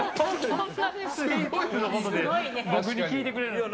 すごい僕に聞いてくれるんですね。